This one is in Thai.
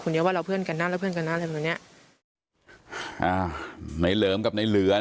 นายเหลือกับนายเหลือนะครับ